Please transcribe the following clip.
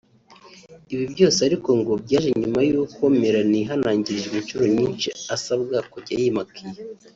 Ibi byose ariko ngo byaje nyuma y’uko Melanie yihanangirijwe inshuro nyinshi asabwa kujya yimakiya